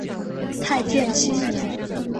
太建七年。